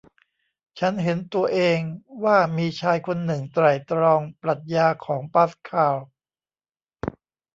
ฉันเห็นตัวเองว่ามีชายคนหนึ่งไตร่ตรองปรัชญาของปาสคาล